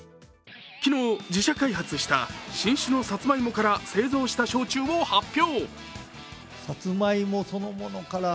昨日、自社開発した新種のサツマイモから製造した焼酎を発表。